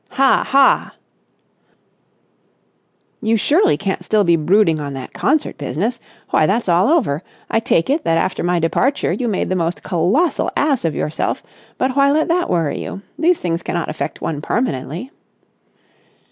"Ha, ha!" "You surely can't still be brooding on that concert business? Why, that's all over. I take it that after my departure you made the most colossal ass of yourself, but why let that worry you? These things cannot affect one permanently."